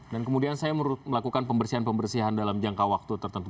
dan kemudian saya melakukan pembersihan pembersihan dalam jangka waktu tertentu